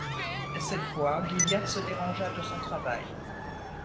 Cette fois Gilliatt se dérangea de son travail.